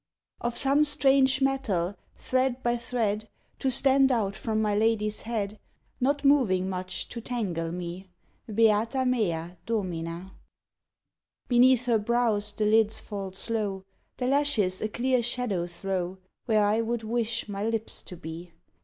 _ Of some strange metal, thread by thread, To stand out from my lady's head, Not moving much to tangle me. Beata mea Domina! Beneath her brows the lids fall slow. The lashes a clear shadow throw Where I would wish my lips to be.